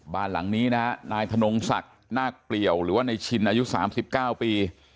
บ้านหลังนี้นะฮะนายธนงศักดิ์นาคเปลี่ยวหรือว่าในชินอายุ๓๙ปี